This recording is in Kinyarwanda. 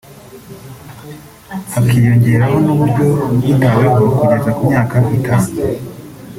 hakiyongeraho n’uburyo yitaweho kugeza ku myaka itanu